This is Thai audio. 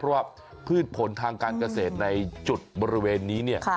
เพราะว่าพืชผลทางการเกษตรในจุดบริเวณนี้เนี่ย